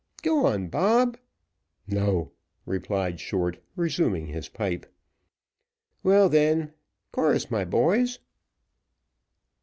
"Go on, Dick." "No," replied Short, resuming his pipe. "Well, then, chorus, my boys."